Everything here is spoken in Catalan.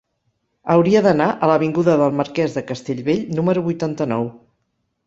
Hauria d'anar a l'avinguda del Marquès de Castellbell número vuitanta-nou.